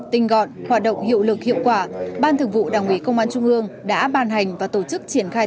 tinh gọn hoạt động hiệu lực hiệu quả ban thường vụ đảng ủy công an trung ương đã ban hành và tổ chức triển khai